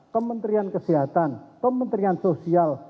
kementerian kesehatan kementerian sosial